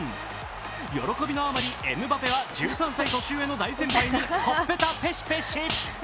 喜びの余り、エムバペは１３歳年上の大先輩にほっぺたペシペシ。